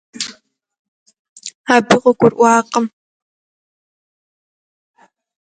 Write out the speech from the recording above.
Но он не понял.